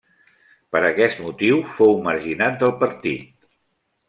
Per aquest motiu fou marginat del partit.